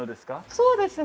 そうですね。